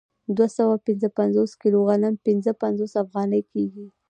دوه سوه پنځه پنځوس کیلو غنم پنځه پنځوس افغانۍ کېږي